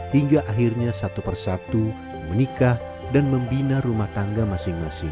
hingga akhirnya satu persatu menikah dan membina rumah tangga masing masing